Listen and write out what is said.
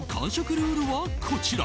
ルールはこちら。